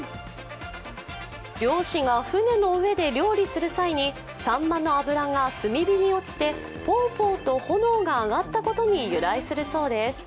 漁師が船の上で料理する際にサンマの脂が炭火に落ちてポーポーと炎が上がったことに由来するそうです。